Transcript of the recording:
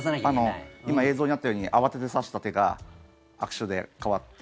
今、映像にあったように慌てて指した手が悪手で変わって。